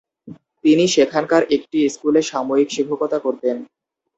তিনি সেখানকার একটি স্কুলে সাময়িক শিক্ষকতা করতেন।